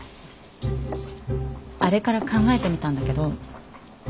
あれから考えてみたんだけど。